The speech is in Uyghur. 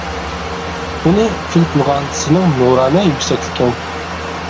ئۇنى كۈل قىلغان سېنىڭ نۇرانە يۈكسەكلىكىڭ.